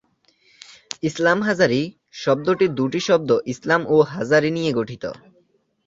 ইসলাম হাজারী শব্দটি দুটি শব্দ ইসলাম ও হাজারী নিয়ে গঠিত।